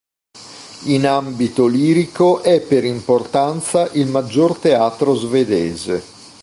In ambito lirico è per importanza il maggior teatro svedese.